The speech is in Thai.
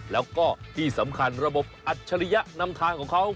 แล้วก็ที่สำคัญระบบอัจฉริยะนำทางของเขา